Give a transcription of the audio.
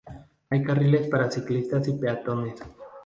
Hay carriles para ciclistas y peatones.